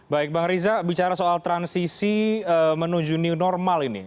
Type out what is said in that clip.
baik bang riza bicara soal transisi menuju new normal ini